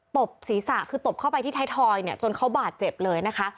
ตบศีรษะคือตบเข้าไปที่ไทยทอยเนี่ยจนเขาบาดเจ็บเลยนะคะ